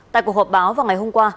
tại cuộc họp báo vào ngày hôm qua